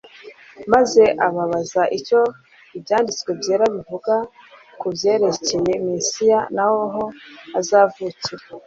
maze ababaza icyo Ibyanditswe Byera bivuga ku byerekcye Mesiya, naho azavukira.